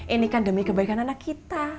ini kan demi kebaikan anak kita